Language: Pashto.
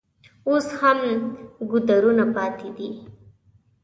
اوس هم ګودرونه پاتې دي.